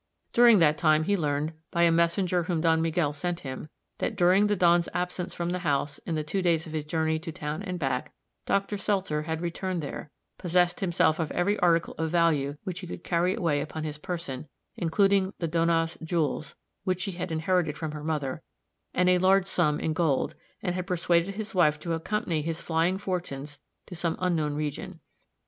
During that time he learned, by a messenger whom Don Miguel sent him, that, during the Don's absence from the house in the two days of his journey to town and back, Dr. Seltzer had returned there, possessed himself of every article of value which he could carry away upon his person, including the Donna's jewels, which she had inherited from her mother, and a large sum in gold, and had persuaded his wife to accompany his flying fortunes to some unknown region.